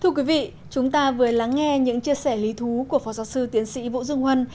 thưa quý vị chúng ta vừa lắng nghe những chia sẻ lý thú của phó giáo sư tiến sĩ vũ dương huân